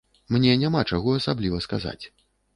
Мне няма чаго асабліва сказаць.